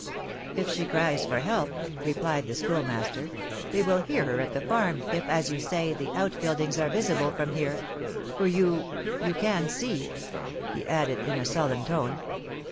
"If she cries for help," replied the Schoolmaster, "they will hear her at the farm, if, as you say, the out buildings are visible from here; for you you can see," he added, in a sullen tone.